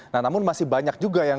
nah namun masih banyak juga yang